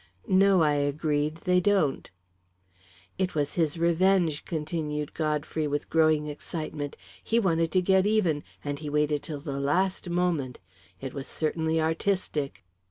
"No," I agreed, "they don't." "It was his revenge," continued Godfrey, with growing excitement. "He wanted to get even, and he waited till the last moment. It was certainly artistic."